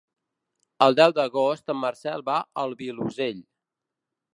El deu d'agost en Marcel va al Vilosell.